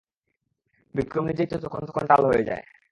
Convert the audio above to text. বিক্রম নিজেই তো যখন-তখন টাল হয়ে যায়!